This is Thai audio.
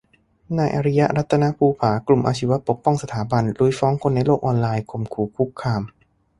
นายอริยะ รัตนภูผา กลุ่มอาชีวะปกป้องสถาบันกษัตริย์ ลุยฟ้องคนในโลกออนไลน์ข่มขู่คุกคาม